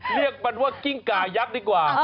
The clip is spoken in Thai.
เรียกมันว่ากิ้งกายักษ์ดีกว่า